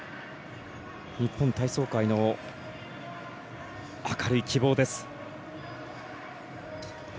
日本体操界の明るい希望です。